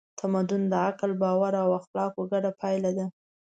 تمدن د عقل، باور او اخلاقو ګډه پایله ده.